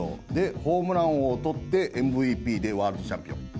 ホームラン王をとってＭＶＰでワールドチャンピオン。